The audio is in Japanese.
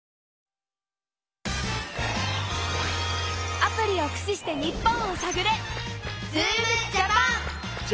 アプリをく使してニッポンをさぐれ！